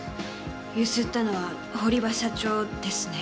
強請ったのは堀場社長ですね？